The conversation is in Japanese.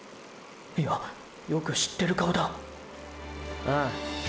いやよく知ってる顔だああ純太。